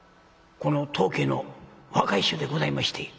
「この当家の若い衆でございまして」。